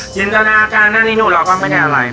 จินตนาการหน้านี่หนูเราก็ไม่ได้อะไร